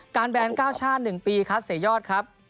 การแบนก้าวชาติ๑ปีครับเสยอร์ดครับ